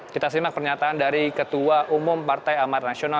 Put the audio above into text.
kita simak pernyataan dari ketua umum partai amat nasional